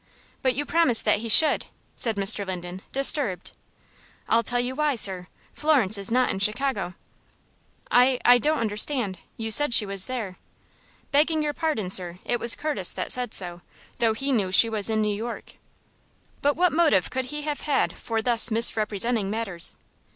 "But you promised that he should," said Mr. Linden, disturbed. "I'll tell you why, sir. Florence is not in Chicago." "I I don't understand. You said she was there." "Begging your pardon, sir, it was Curtis that said so, though he knew she was in New York." "But what motive could he have had for thus misrepresenting matters?"